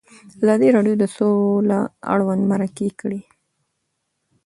ازادي راډیو د سوله اړوند مرکې کړي.